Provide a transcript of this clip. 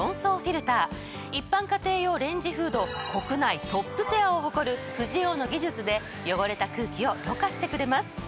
一般家庭用レンジフード国内トップシェアを誇るフジオーの技術で汚れた空気をろ過してくれます。